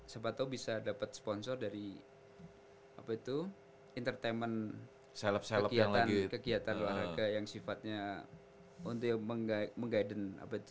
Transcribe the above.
siapa tau bisa dapat sponsor dari apa itu entertainment kegiatan kegiatan luar raga yang sifatnya untuk meng guiden apa itu